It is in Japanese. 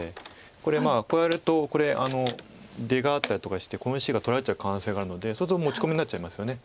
これこうやると出があったりとかしてこの石が取られちゃう可能性があるのでそうすると持ち込みになっちゃいますよね。